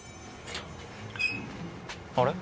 あれ？